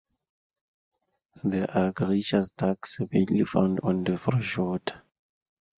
These are gregarious ducks, mainly found on fresh water.